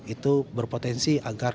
itu berpotensi agar